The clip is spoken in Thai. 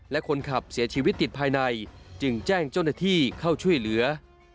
และคนขับเสียชีวิตติดภายในจึงแจ้งเจ้าหน้าที่เข้าช่วยเหลือ